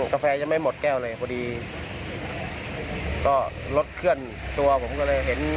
กาแฟยังไม่หมดแก้วเลยพอดีก็รถเคลื่อนตัวผมก็เลยเห็น